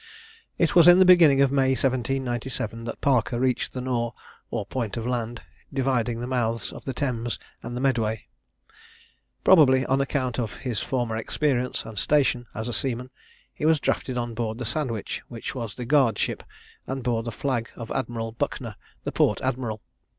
It was in the beginning of May 1797 that Parker reached the Nore, or point of land dividing the mouths of the Thames and the Medway. Probably on account of his former experience and station as a seaman, he was drafted on board the Sandwich, which was the guard ship, and bore the flag of Admiral Buckner, the port admiral.